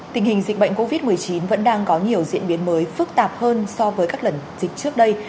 tình hình dịch bệnh covid một mươi chín vẫn đang có nhiều diễn biến mới phức tạp hơn so với các lần dịch trước đây